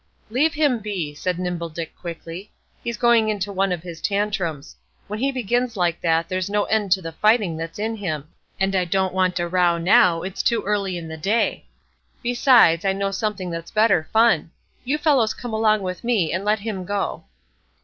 "Leave him be," said Nimble Dick, quickly; "he's going into one of his tantrums. When he begins like that, there's no end to the fighting that's in him; and I don't want a row now, it's too early in the day; besides, I know something that's better fun. You fellows come along with me, and let him go."